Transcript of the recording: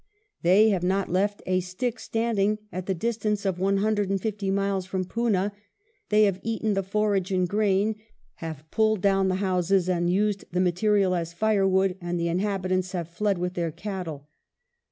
" They have not left a stick standing at the distance of 150 miles from Poona; they have eaten the forage and grain, have pulled down the houses and used the material as firewood, and the inhabitants have fled with their cattle.